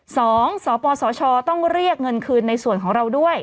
สองสปสชต้องเรียกเงินคืนในส่วนของเราด้วย